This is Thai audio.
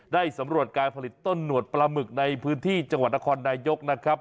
ได้สำรวจการผลิตต้นหนวดปลาหมึกในพื้นที่จังหวัดนครนายกนะครับ